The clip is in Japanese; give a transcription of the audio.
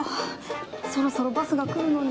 そろそろバスが来るのに。